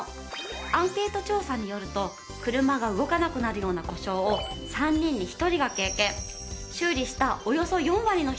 アンケート調査によると車が動かなくなるような故障を３人に１人が経験。